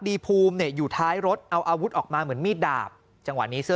ดีภูมิเนี่ยอยู่ท้ายรถเอาอาวุธออกมาเหมือนมีดดาบจังหวะนี้เสื้อ